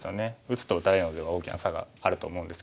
打つと打たれるのでは大きな差があると思うんですけど。